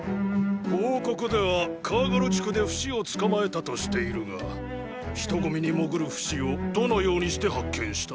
報告ではカーガル地区でフシを捕まえたとしているが人混みに潜るフシをどのようにして発見した？